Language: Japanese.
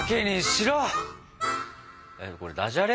えっこれダジャレ？